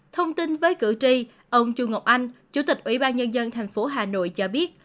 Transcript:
thông tin với cử tri ông chu ngọc anh chủ tịch ủy ban nhân dân thành phố hà nội cho biết